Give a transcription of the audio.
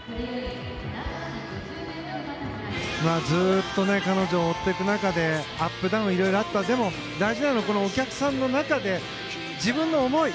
ずっと彼女を追っていく中でアップダウンもいろいろあったけど大事なのはお客さんの中で、自分の思い